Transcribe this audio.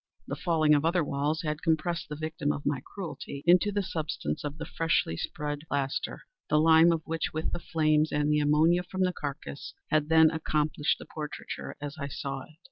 The falling of other walls had compressed the victim of my cruelty into the substance of the freshly spread plaster; the lime of which, with the flames, and the ammonia from the carcass, had then accomplished the portraiture as I saw it.